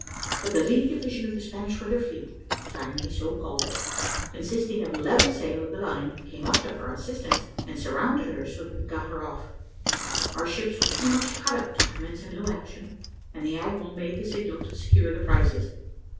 But the lee division of the Spanish weather fleet, if I may so call it, consisting of eleven sail of the line, came up to her assistance, and surrounded her, so that they got her off. Our ships were too much cut up to commence a new action, and the admiral made the signal to secure the prizes.